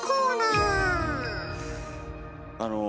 あの。